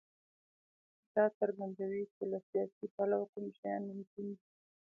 دا څرګندوي چې له سیاسي پلوه کوم شیان ممکن دي.